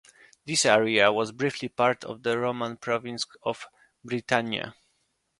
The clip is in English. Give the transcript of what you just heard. This area was briefly part of the Roman province of "Britannia".